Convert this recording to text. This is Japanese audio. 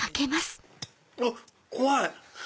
あっ怖い！